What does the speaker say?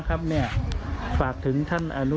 ไปแล้ว๓คน